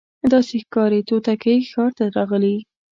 داسي ښکاري توتکۍ ښار ته راغلې